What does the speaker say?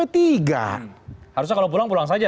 harusnya kalau pulang pulang saja